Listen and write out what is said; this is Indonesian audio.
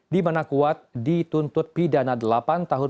di mana kuat dituntut pidana delapan tahun